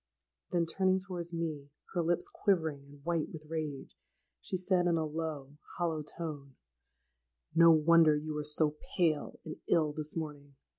Then turning towards me, her lips quivering and white with rage, she said, in a low hollow tone, 'No wonder you are so pale and ill this morning!